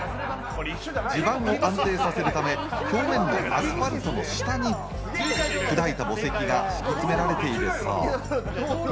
地盤を安定させるため、表面のアスファルトの下に砕いた墓石が敷き詰められているそう。